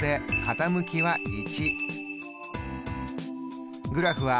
傾きは−２。